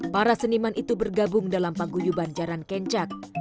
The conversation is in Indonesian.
para seniman itu bergabung dalam paguyuban jaran kencak